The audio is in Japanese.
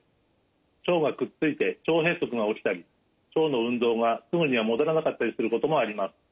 腸がくっついて腸閉塞が起きたり腸の運動がすぐには戻らなかったりすることもあります。